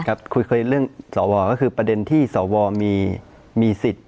คุยเคยเรื่องสวก็คือประเด็นที่สวมีสิทธิ์